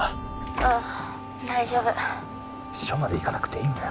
☎うん大丈夫署まで行かなくていいんだよ